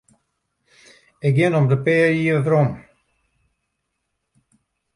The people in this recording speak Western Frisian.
Ik gean om de pear jier werom.